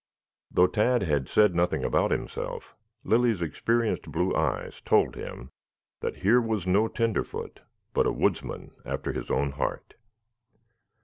Though Tad had said nothing about himself, Lilly's experienced blue eyes told him that here was no tenderfoot, but a woodsman after his own heart.